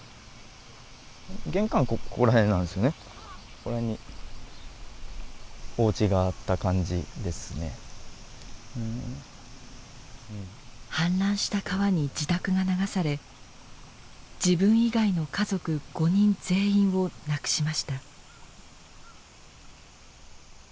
ここらへんに氾濫した川に自宅が流され自分以外の家族５人全員を亡くしました。